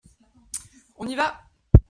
On y va !